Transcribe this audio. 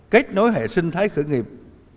kết nối hệ sinh thái khởi nghiệp